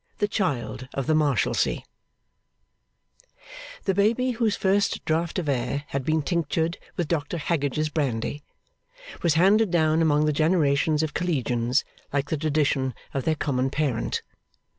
The Child of the Marshalsea The baby whose first draught of air had been tinctured with Doctor Haggage's brandy, was handed down among the generations of collegians, like the tradition of their common parent.